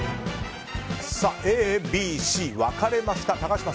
Ａ、Ｂ、Ｃ分かれました。